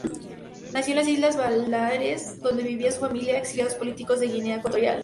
Nació en las Islas Baleares donde vivía su familia, exiliados políticos de Guinea Ecuatorial.